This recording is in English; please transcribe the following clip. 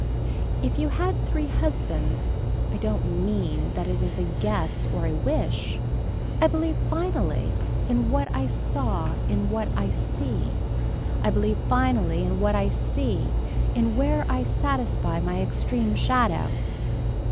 If you had three husbands I don't mean that it is a guess or a wish. I believe finally in what I saw in what I see. I believe finally in what I see, in where I satisfy my extreme shadow.